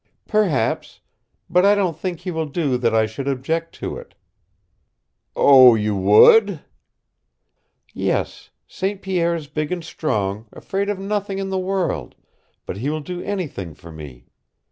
"Perhaps. But I don't think he will do that I should object to it." "Oh, you would!" "Yes. St. Pierre is big and strong, afraid of nothing in the world, but he will do anything for me.